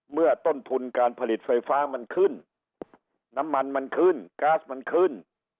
เมื่อต้นทุนการผลิตไฟฟ้ามันขึ้นน้ำมันมันขึ้นก๊าซมันขึ้น